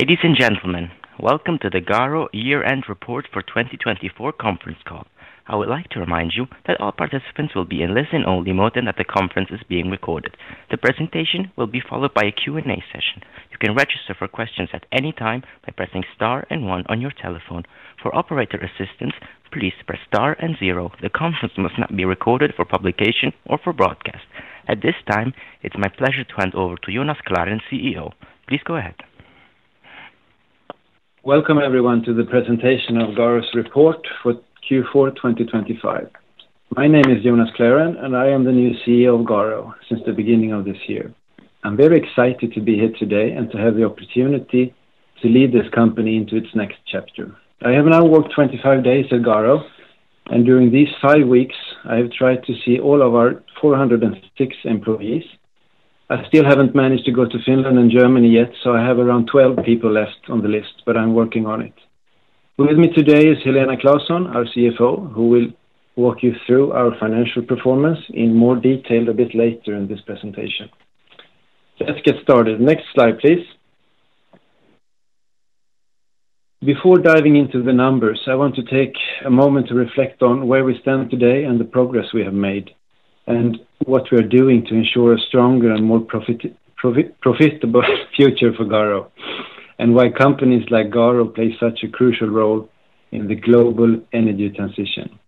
Ladies and gentlemen, welcome to the GARO year-end report for 2024 conference call. I would like to remind you that all participants will be in listen-only mode and that the conference is being recorded. The presentation will be followed by a Q&A session. You can register for questions at any time by pressing star and one on your telephone. For operator assistance, please press star and zero. The conference must not be recorded for publication or for broadcast. At this time, it's my pleasure to hand over to Jonas Klarén, CEO. Please go ahead. Welcome, everyone, to the presentation of GARO's report for Q4 2025. My name is Jonas Klarén, and I am the new CEO of GARO since the beginning of this year. I'm very excited to be here today and to have the opportunity to lead this company into its next chapter. I have now worked 25 days at GARO, and during these five weeks, I have tried to see all of our 406 employees. I still haven't managed to go to Finland and Germany yet, so I have around 12 people left on the list, but I'm working on it. With me today is Helena Claesson, our CFO, who will walk you through our financial performance in more detail a bit later in this presentation. Let's get started. Next slide, please. Before diving into the numbers, I want to take a moment to reflect on where we stand today and the progress we have made, and what we are doing to ensure a stronger and more profitable future for GARO, and why companies like GARO play such a crucial role in the global energy transition.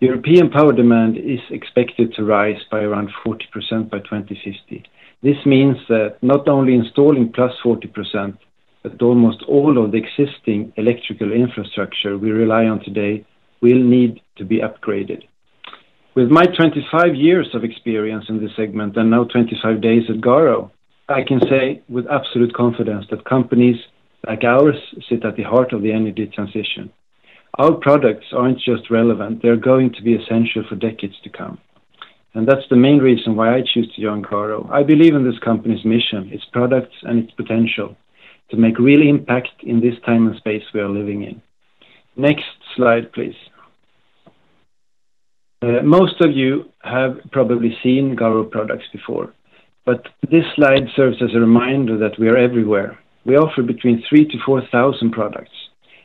European power demand is expected to rise by around 40% by 2050. This means that not only installing plus 40%, but almost all of the existing electrical infrastructure we rely on today will need to be upgraded. With my 25 years of experience in this segment and now 25 days at GARO, I can say with absolute confidence that companies like ours sit at the heart of the energy transition. Our products aren't just relevant; they're going to be essential for decades to come. That is the main reason why I choose to join GARO. I believe in this company's mission, its products, and its potential to make a real impact in this time and space we are living in. Next slide, please. Most of you have probably seen GARO products before, but this slide serves as a reminder that we are everywhere. We offer between 3,000-4,000 products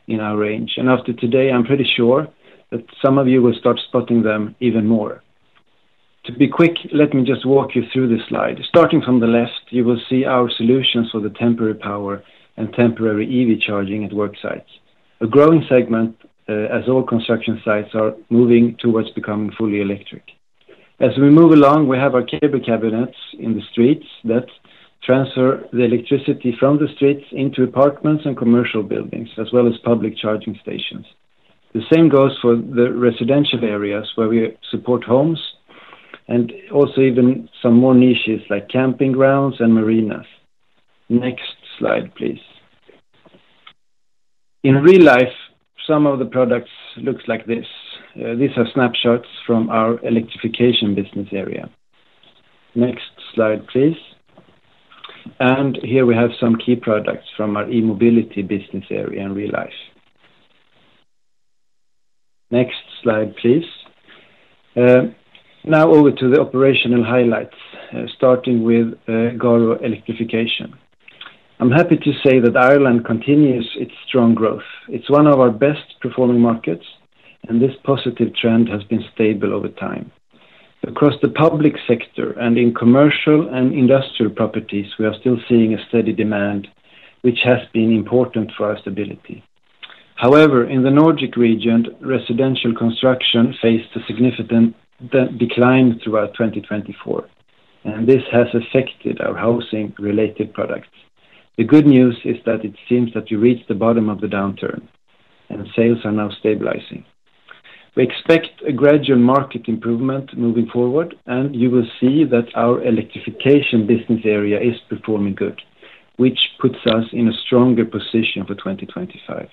in our range, and after today, I'm pretty sure that some of you will start spotting them even more. To be quick, let me just walk you through this slide. Starting from the left, you will see our solutions for the temporary power and temporary EV charging at work sites, a growing segment as all construction sites are moving towards becoming fully electric. As we move along, we have our cable cabinets in the streets that transfer the electricity from the streets into apartments and commercial buildings, as well as public charging stations. The same goes for the residential areas where we support homes and also even some more niches like camping grounds and marinas. Next slide, please. In real life, some of the products look like this. These are snapshots from our Electrification business area. Next slide, please. And here we have some key products from our E-mobility business area in real life. Next slide, please. Now over to the operational highlights, starting with GARO Electrification. I'm happy to say that Ireland continues its strong growth. It's one of our best-performing markets, and this positive trend has been stable over time. Across the public sector and in commercial and industrial properties, we are still seeing a steady demand, which has been important for our stability. However, in the Nordic region, residential construction faced a significant decline throughout 2024, and this has affected our housing-related products. The good news is that it seems that we reached the bottom of the downturn, and sales are now stabilizing. We expect a gradual market improvement moving forward, and you will see that our Electrification business area is performing good, which puts us in a stronger position for 2025.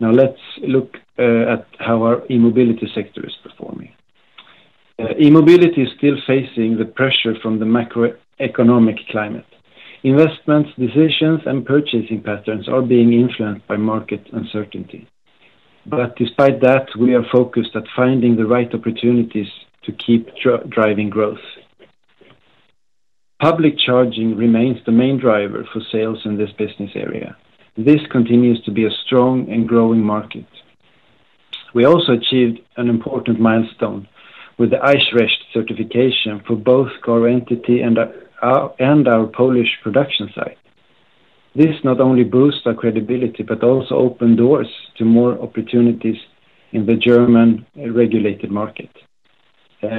Now, let's look at how our E-mobility sector is performing. E-mobility is still facing the pressure from the macroeconomic climate. Investments, decisions, and purchasing patterns are being influenced by market uncertainty. Despite that, we are focused on finding the right opportunities to keep driving growth. Public charging remains the main driver for sales in this business area. This continues to be a strong and growing market. We also achieved an important milestone with the Eichrecht certification for both our Entity and our Polish production site. This not only boosts our credibility but also opens doors to more opportunities in the German regulated market.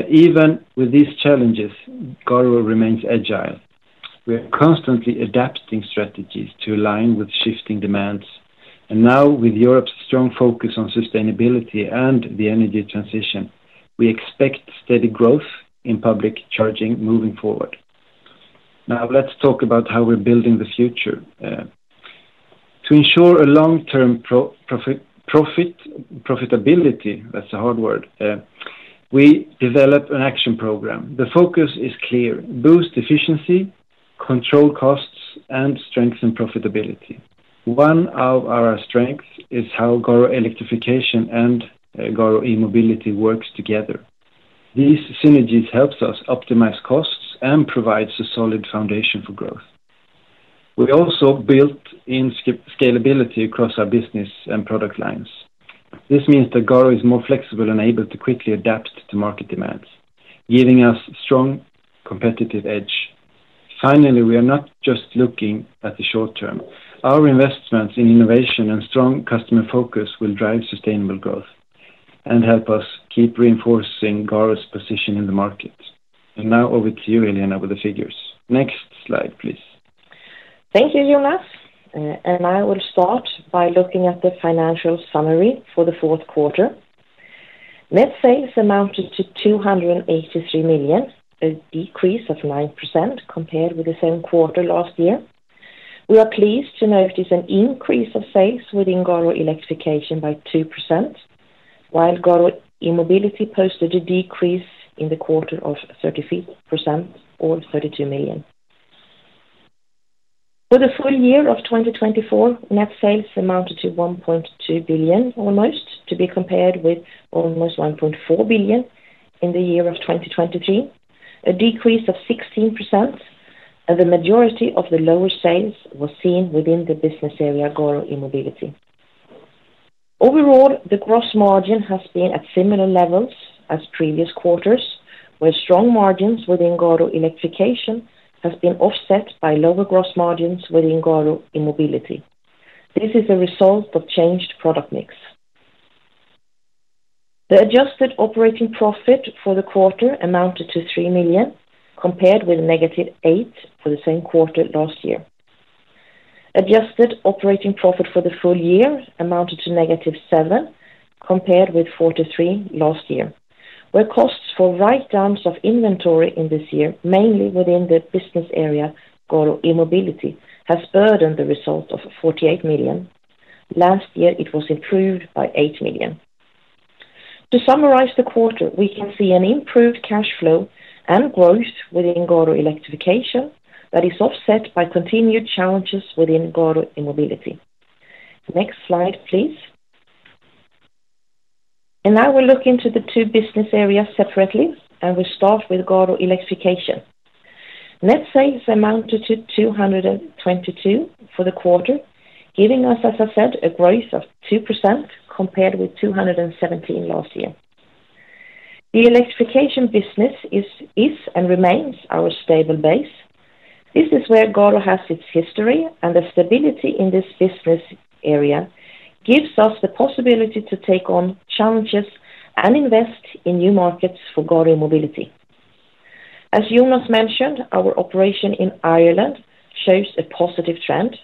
Even with these challenges, GARO remains agile. We are constantly adapting strategies to align with shifting demands. Now, with Europe's strong focus on sustainability and the energy transition, we expect steady growth in public charging moving forward. Now, let's talk about how we're building the future. To ensure a long-term profitability—that's a hard word—we developed an action program. The focus is clear: boost efficiency, control costs, and strengthen profitability. One of our strengths is how GARO Electrification and GARO E-mobility work together. These synergies help us optimize costs and provide a solid foundation for growth. We also built in scalability across our business and product lines. This means that GARO is more flexible and able to quickly adapt to market demands, giving us a strong competitive edge. Finally, we are not just looking at the short term. Our investments in innovation and strong customer focus will drive sustainable growth and help us keep reinforcing GARO's position in the market. Now over to you, Helena, with the figures. Next slide, please. Thank you, Jonas. I will start by looking at the financial summary for the fourth quarter. Net sales amounted to 283 million, a decrease of 9% compared with the same quarter last year. We are pleased to note there is an increase of sales within GARO Electrification by 2%, while GARO E-mobility posted a decrease in the quarter of 33% or 32 million. For the full year of 2024, net sales amounted to almost 1.2 billion, to be compared with almost 1.4 billion in the year of 2023, a decrease of 16%, and the majority of the lower sales were seen within the business area GARO E-mobility. Overall, the gross margin has been at similar levels as previous quarters, where strong margins within GARO Electrification have been offset by lower gross margins within GARO E-mobility. This is a result of changed product mix. The adjusted operating profit for the quarter amounted to 3 million compared with -8 million for the same quarter last year. Adjusted operating profit for the full year amounted to negative 7 million compared with 43 million last year, where costs for write-downs of inventory in this year, mainly within the business area GARO E-mobility, have burdened the result of 48 million. Last year, it was improved by 8 million. To summarize the quarter, we can see an improved cash flow and growth within GARO Electrification that is offset by continued challenges within GARO E-mobility. Next slide, please. Now we will look into the two business areas separately, and we will start with GARO Electrification. Net sales amounted to 222 million for the quarter, giving us, as I said, a growth of 2% compared with 217 million last year. The Electrification business is and remains our stable base. This is where GARO has its history, and the stability in this business area gives us the possibility to take on challenges and invest in new markets for GARO E-mobility. As Jonas mentioned, our operation in Ireland shows a positive trend.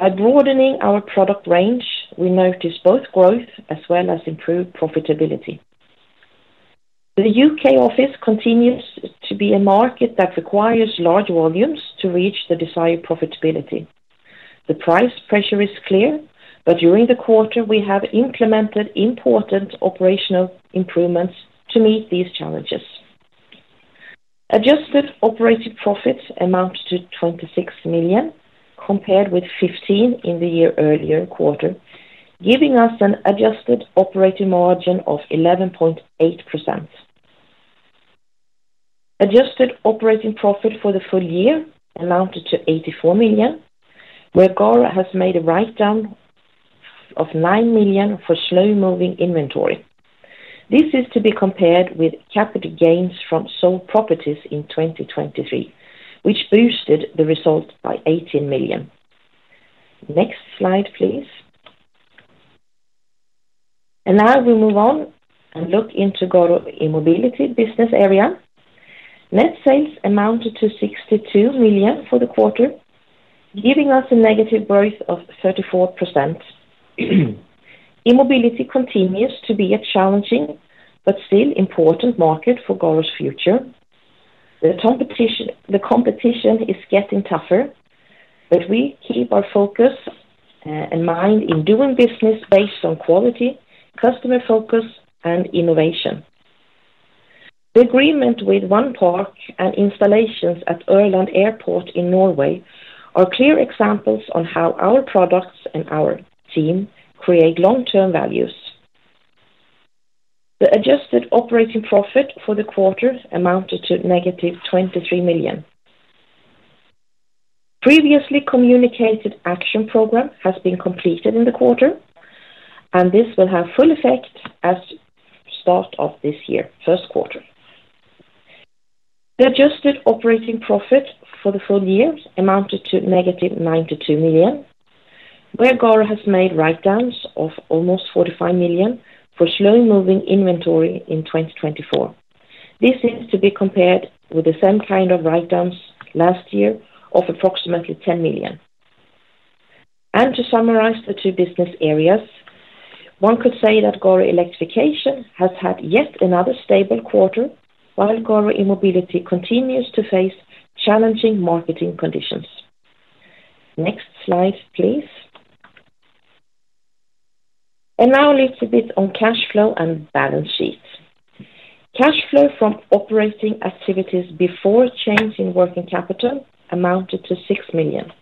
By broadening our product range, we notice both growth as well as improved profitability. The U.K. office continues to be a market that requires large volumes to reach the desired profitability. The price pressure is clear, but during the quarter, we have implemented important operational improvements to meet these challenges. Adjusted operating profit amounts to 26 million compared with 15 million in the year earlier quarter, giving us an adjusted operating margin of 11.8%. Adjusted operating profit for the full year amounted to 84 million, where GARO has made a write-down of 9 million for slow-moving inventory. This is to be compared with capital gains from sold properties in 2023, which boosted the result by 18 million. Next slide, please. Now we move on and look into GARO E-mobility business area. Net sales amounted to 62 million for the quarter, giving us a negative growth of 34%. E-mobility continues to be a challenging but still important market for GARO's future. The competition is getting tougher, but we keep our focus and mind in doing business based on quality, customer focus, and innovation. The agreement with Onepark and installations at Ørland Airport in Norway are clear examples of how our products and our team create long-term values. The adjusted operating profit for the quarter amounted to negative 23 million. Previously communicated action program has been completed in the quarter, and this will have full effect as start of this year, first quarter. The adjusted operating profit for the full year amounted to negative 92 million, where GARO has made write-downs of almost 45 million for slow-moving inventory in 2024. This is to be compared with the same kind of write-downs last year of approximately 10 million. To summarize the two business areas, one could say that GARO Electrification has had yet another stable quarter, while GARO E-mobility continues to face challenging marketing conditions. Next slide, please. Now a little bit on cash flow and balance sheet. Cash flow from operating activities before change in working capital amounted to 6 million.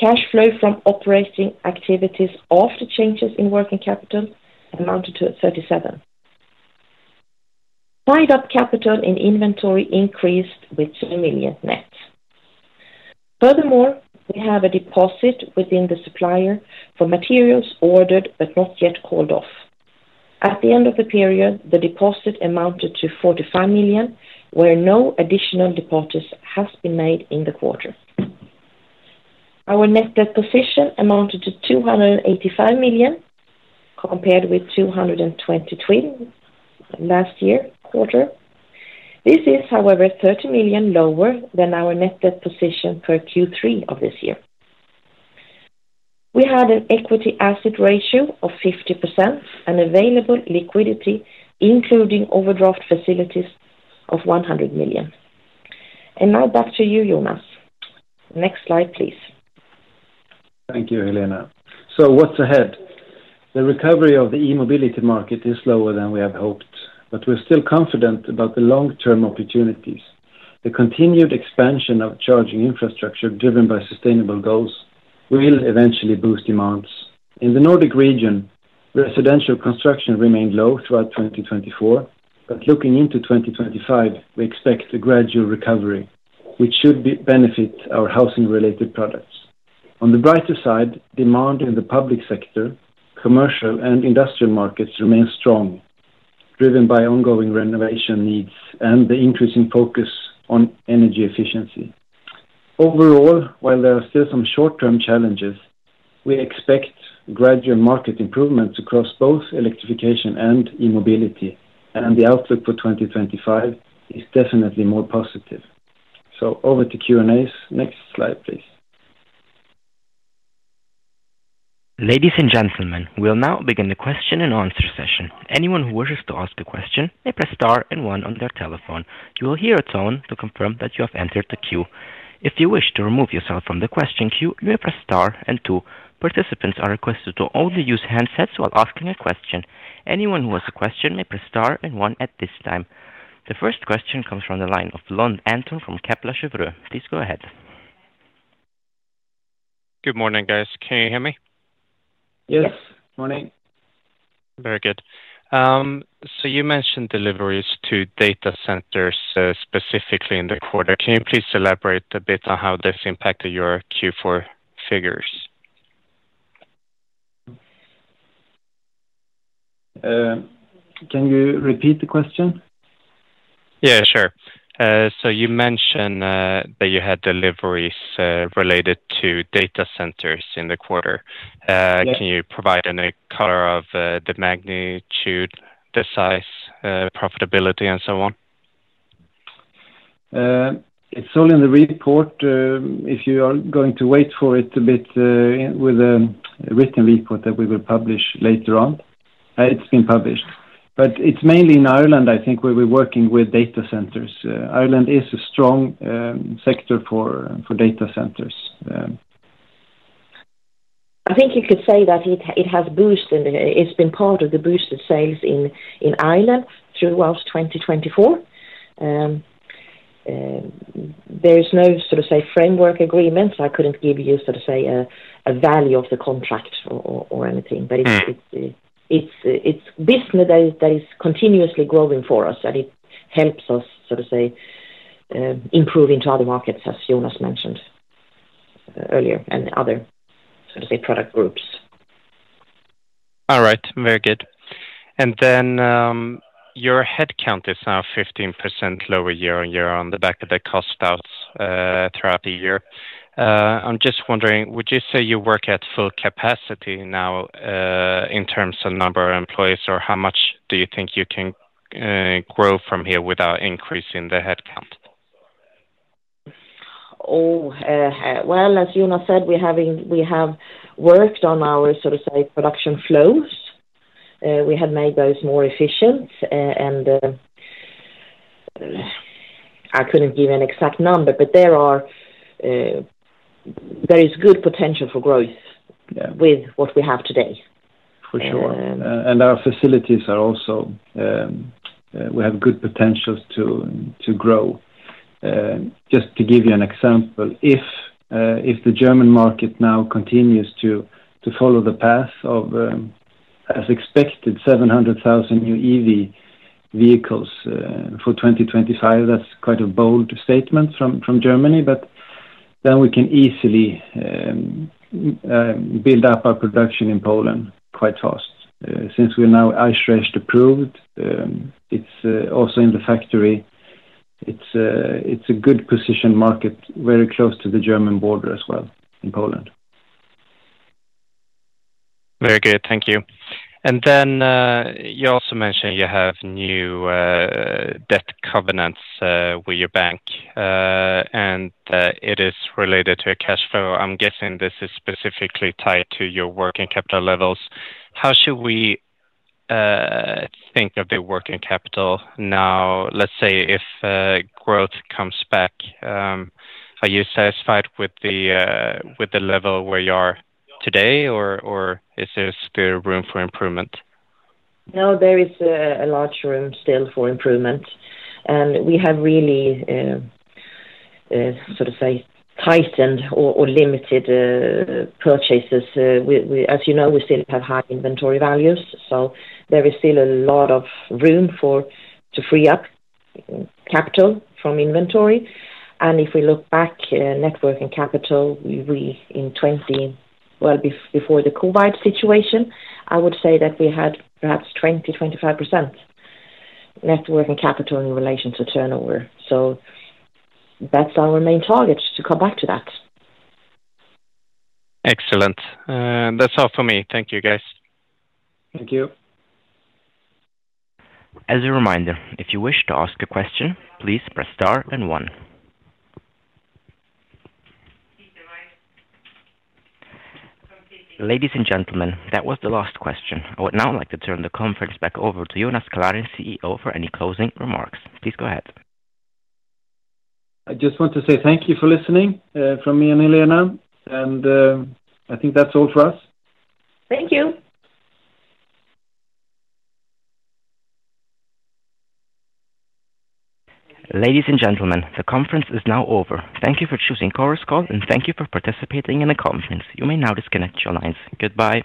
Cash flow from operating activities after changes in working capital amounted to 37 million. Tied-up capital in inventory increased with 2 million net. Furthermore, we have a deposit within the supplier for materials ordered but not yet called off. At the end of the period, the deposit amounted to 45 million, where no additional deposits have been made in the quarter. Our net debt position amounted to 285 million compared with 223 million last year quarter. This is, however, 30 million lower than our net debt position per Q3 of this year. We had an equity-asset ratio of 50% and available liquidity, including overdraft facilities, of 100 million. Now back to you, Jonas. Next slide, please. Thank you, Helena. What's ahead? The recovery of the E-mobility market is slower than we have hoped, but we're still confident about the long-term opportunities. The continued expansion of charging infrastructure driven by sustainable goals will eventually boost demands. In the Nordic region, residential construction remained low throughout 2024, but looking into 2025, we expect a gradual recovery, which should benefit our housing-related products. On the brighter side, demand in the public sector, commercial, and industrial markets remains strong, driven by ongoing renovation needs and the increasing focus on energy efficiency. Overall, while there are still some short-term challenges, we expect gradual market improvements across both Electrification and E-mobility, and the outlook for 2025 is definitely more positive. Over to Q&As. Next slide, please. Ladies and gentlemen, we'll now begin the question-and-answer session. Anyone who wishes to ask a question may press star and one on their telephone. You will hear a tone to confirm that you have entered the queue. If you wish to remove yourself from the question queue, you may press star and two. Participants are requested to only use handsets while asking a question. Anyone who has a question may press star and one at this time. The first question comes from the line of Lund Anton from Kepler Cheuvreux. Please go ahead. Good morning, guys. Can you hear me? Yes. Morning. Very good. You mentioned deliveries to data centers specifically in the quarter. Can you please elaborate a bit on how this impacted your Q4 figures? Can you repeat the question? Yeah, sure. You mentioned that you had deliveries related to data centers in the quarter. Can you provide any color of the magnitude, the size, profitability, and so on? It's all in the report. If you are going to wait for it a bit with a written report that we will publish later on, it's been published. It's mainly in Ireland, I think, where we're working with data centers. Ireland is a strong sector for data centers. I think you could say that it has boosted, it's been part of the boosted sales in Ireland throughout 2024. There is no sort of framework agreement. I couldn't give you sort of a value of the contract or anything, but it's business that is continuously growing for us, and it helps us sort of improve into other markets, as Jonas mentioned earlier, and other sort of product groups. All right. Very good. Your headcount is now 15% lower year-on-year, on the back of the costouts throughout the year. I'm just wondering, would you say you work at full capacity now in terms of number of employees, or how much do you think you can grow from here without increasing the headcount? Oh, well, as Jonas Klarén said, we have worked on our sort of production flows. We have made those more efficient, and I couldn't give an exact number, but there is good potential for growth with what we have today. For sure. Our facilities are also—we have good potential to grow. Just to give you an example, if the German market now continues to follow the path of, as expected, 700,000 new EV vehicles for 2025, that is quite a bold statement from Germany, but we can easily build up our production in Poland quite fast. Since we are now Eichrecht approved, it is also in the factory. It is a good position market, very close to the German border as well in Poland. Very good. Thank you. You also mentioned you have new debt covenants with your bank, and it is related to cash flow. I'm guessing this is specifically tied to your working capital levels. How should we think of the working capital now? Let's say if growth comes back, are you satisfied with the level where you are today, or is there still room for improvement? No, there is a large room still for improvement. We have really sort of tightened or limited purchases. As you know, we still have high inventory values, so there is still a lot of room to free up capital from inventory. If we look back at networking capital, in 2019—well, before the COVID situation, I would say that we had perhaps 20%-25% networking capital in relation to turnover. That is our main target, to come back to that. Excellent. That's all for me. Thank you, guys. Thank you. As a reminder, if you wish to ask a question, please press star and one. Ladies and gentlemen, that was the last question. I would now like to turn the conference back over to Jonas Klarén, CEO, for any closing remarks. Please go ahead. I just want to say thank you for listening from me and Helena, and I think that's all for us. Thank you. Ladies and gentlemen, the conference is now over. Thank you for choosing GARO's call, and thank you for participating in the conference. You may now disconnect your lines. Goodbye.